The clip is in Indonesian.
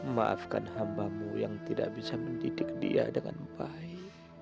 maafkan hambamu yang tidak bisa mendidik dia dengan baik